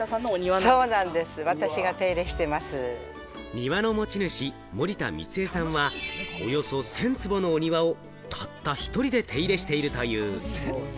庭の持ち主・森田光江さんはおよそ１０００坪のお庭をたった１人で手入れしているという。